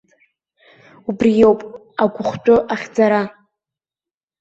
Убриоуп агәыхәтәы ахьӡара.